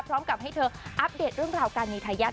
พร้อมกับให้เธออัปเดตเรื่องราวการมีทายาท